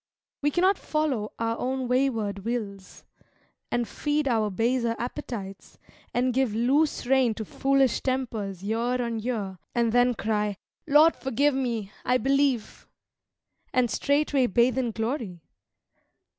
We cannot follow our own wayward wills, And feed our baser appetites, and give Loose rein to foolish tempers year on year, And then cry, "Lord forgive me, I believe." And straightway bathe in glory.